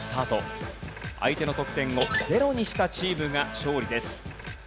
相手の得点をゼロにしたチームが勝利です。